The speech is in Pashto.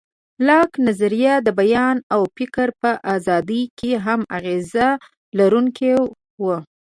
لاک نظریه د بیان او فکر په ازادۍ کې هم اغېز لرونکی و.